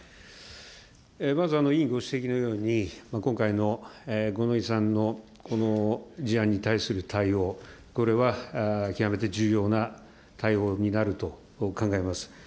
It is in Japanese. まず委員ご指摘のように、今回の五ノ井さんの事案に対する対応、これは極めて重要な対応になると考えます。